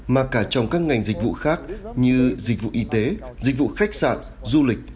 mà cả trong các ngành dịch vụ khác như dịch vụ y tế dịch vụ khách sạn du lịch